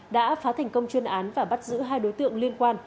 đã phá thành công chuyên án và bắt giữ hai đối tượng liên quan